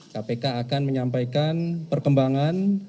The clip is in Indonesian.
kpk akan menyampaikan perkembangan